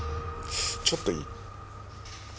ちょっといい？